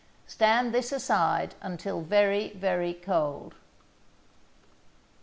Stand this aside until very, very cold.